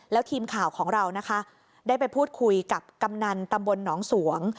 แล้วทีมข่าวของเรานะคะได้ไปพูดคุยกับกำนันตำบลหนองสวง